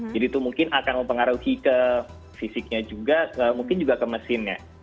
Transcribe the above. jadi itu mungkin akan mempengaruhi ke fisiknya juga mungkin juga ke mesinnya